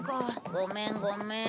ごめんごめん。